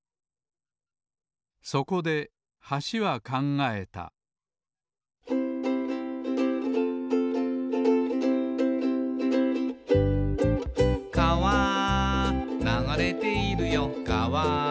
そこで橋は考えた「かわ流れているよかわ」